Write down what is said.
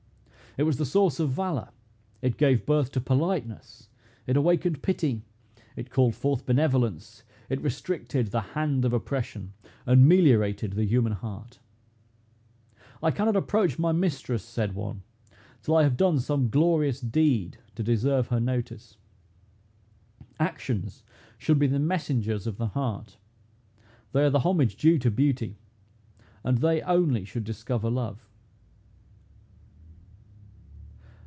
It was the source of valor, it gave birth to politeness, it awakened pity, it called forth benevolence, it restricted the hand of oppression, and meliorated the human heart. "I cannot approach my mistress," said one, "till I have done some glorious deed to deserve her notice. Actions should be the messengers of the heart; they are the homage due to beauty, and they only should discover love."